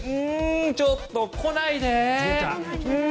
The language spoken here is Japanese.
ちょっと来ないでー！